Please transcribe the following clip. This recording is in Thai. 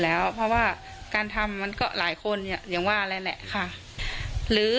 แล้วเพราะว่าการทำมันก็หลายคนเนี่ยอย่างว่าแหละค่ะหรือ